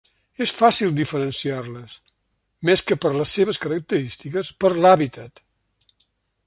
És fàcil diferenciar-les, més que per les seues característiques, per l'hàbitat.